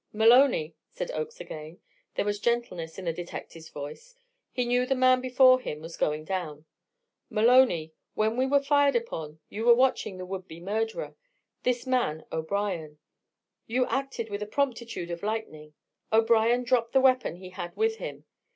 "Maloney," said Oakes again there was gentleness in the detective's voice; he knew the man before him was going down "Maloney, when we were fired upon you were watching the would be murderer this man O'Brien. You acted with the promptitude of lightning O'Brien dropped the weapon he had with him.